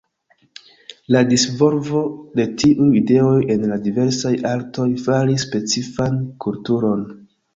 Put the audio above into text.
La disvolvo de tiuj ideoj en la diversaj artoj faris specifan kulturon.